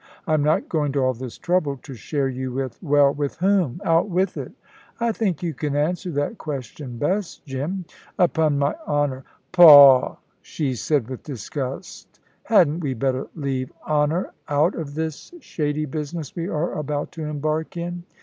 I'm not going to all this trouble to share you with " "Well, with whom? out with it!" "I think you can answer that question best, Jim." "Upon my honour " "Pah!" she said with disgust. "Hadn't we better leave honour out of this shady business we are about to embark in?"